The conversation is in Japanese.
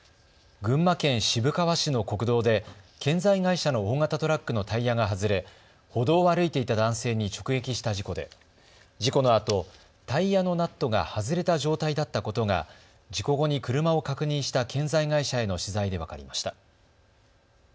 群馬県渋川市の国道で建材会社の大型トラックのタイヤが外れ歩道を歩いていた男性に直撃した事故で事故のあと、タイヤのナットが外れた状態だったことが事故後に車を確認した建材会社への取材で分かりました。